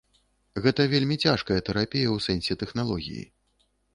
Гэта вельмі цяжкая тэрапія ў сэнсе тэхналогіі.